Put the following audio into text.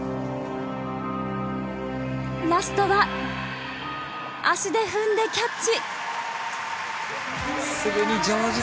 ラストは、足で踏んでキャッチ。